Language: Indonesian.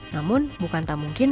namun bukan tak mungkin